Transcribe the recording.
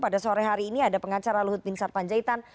pada sore hari ini ada pengacara luhut bin sarpanjaitan